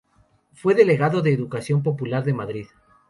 Fue delegado de Educación Popular de Madrid.